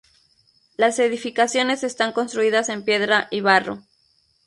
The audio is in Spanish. Las edificaciones están construidas en piedra y barro.